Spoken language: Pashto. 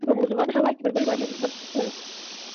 هغوی په موزون هوا کې پر بل باندې ژمن شول.